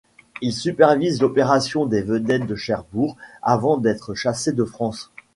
Il supervise l'opération des vedettes de Cherbourg avant d'être chassé de France.